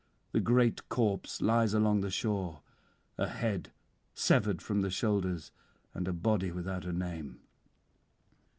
The great corpse lies along the shore, a head severed from the shoulders and a body without a name.